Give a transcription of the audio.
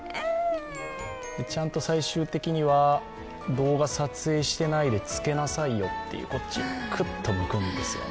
ちゃんと最終的には動画撮影してないで、つけなさいよと、こっち、くっと向くんですよね。